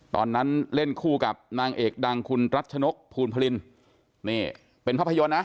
ตอนนั้นเล่นคู่กับนางเอกดังคุณรัชนกภูลพลินนี่เป็นภาพยนตร์นะ